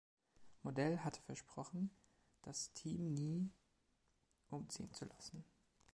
Modell hatte versprochen, das Team nie umziehen zu lassen.